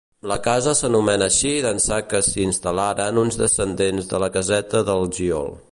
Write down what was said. La casa s'anomena així d'ençà que s'hi instal·laren uns descendents de la Caseta del Giol.